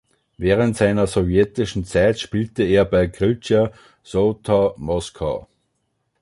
Während seiner sowjetischen Zeit spielte er bei Krylja Sowetow Moskau.